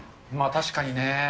確かにね。